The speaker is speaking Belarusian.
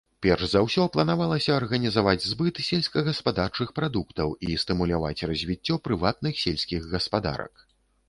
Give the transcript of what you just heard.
Перш за ўсё, планавалася арганізаваць збыт сельскагаспадарчых прадуктаў і стымуляваць развіццё прыватных сельскіх гаспадарак.